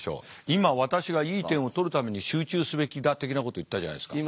今私がいい点をとるために集中すべきだ的なこと言ったじゃないですか。